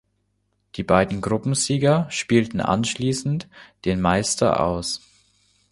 Die beiden Gruppensieger spielten anschließend den Meister aus.